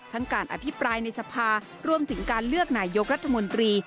การอภิปรายในสภารวมถึงการเลือกนายกรัฐมนตรี